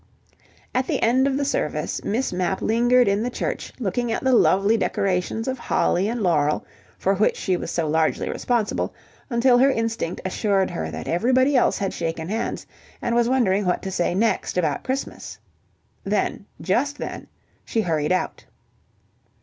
At the end of the service Miss Mapp lingered in the church looking at the lovely decorations of holly and laurel, for which she was so largely responsible, until her instinct assured her that everybody else had shaken hands and was wondering what to say next about Christmas. Then, just then, she hurried out.